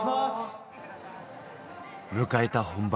迎えた本番。